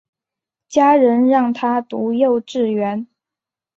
家人让她读幼稚园